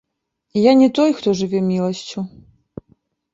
Я не той, хто жыве міласцю.